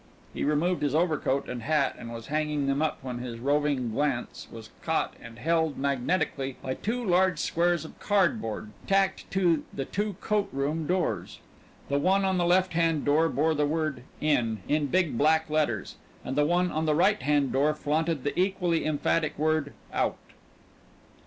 He removed his overcoat and hat and was hanging them up when his roving glance was caught and held magnetically by two large squares of cardboard tacked to the two coat room doors. The one on the left hand door bore the word "In" in big black letters, and the one on the right hand door flaunted the equally emphatic word "Out."